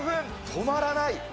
止まらない。